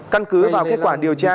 căn cứ vào kết quả điều tra